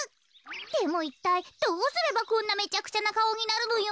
でもいったいどうすればこんなめちゃくちゃなかおになるのよ。